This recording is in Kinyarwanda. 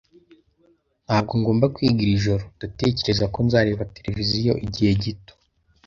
Ntabwo ngomba kwiga iri joro. Ndatekereza ko nzareba televiziyo igihe gito.